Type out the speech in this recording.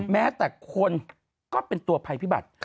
แม้แต่คนก็เป็นตัวภัยพิบัติ